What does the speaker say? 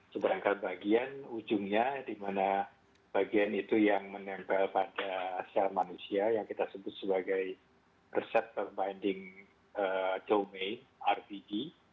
seberangkat bagian ujungnya dimana bagian itu yang menempel pada sel manusia yang kita sebut sebagai receptor binding domain rbd